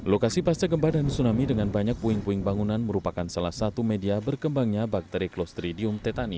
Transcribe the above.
lokasi pasca gempa dan tsunami dengan banyak puing puing bangunan merupakan salah satu media berkembangnya bakteri clostridium tetani